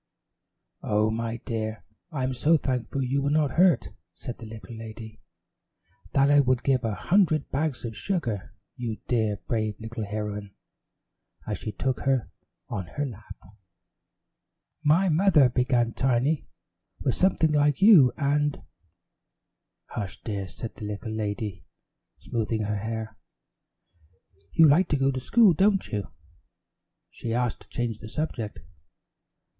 "Oh, my dear, I'm so thankful you were not hurt," said the little lady, "that I would give a hundred bags of sugar you, dear brave little heroine," as she took her on her lap. "My mother," began Tiny, "was something like you and " "Hush, dear," said the little lady, smoothing her hair. "You like to go to school, don't you?" she asked to change the subject.